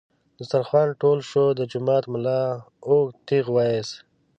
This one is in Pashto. دسترخوان ټول شو، د جومات ملا اوږد ټېغ ویست.